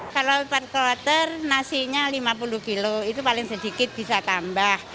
kalau empat kloter nasinya lima puluh kilo itu paling sedikit bisa tambah